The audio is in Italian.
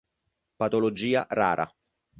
Patologia rara.